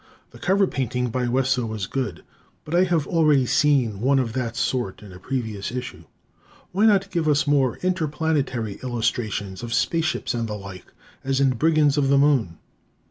The cover painting by Wesso was good, but I have already seen one of that sort in a previous issue. Why not give us more interplanetary illustrations of space ships and the like as in "Brigands of the Moon"?